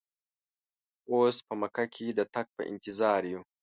اوس په مکه کې د تګ په انتظار یو.